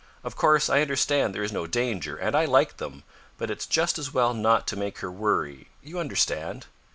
Of course, I understand there is no danger, and I like them. But it's just as well not to make her worry you understand!"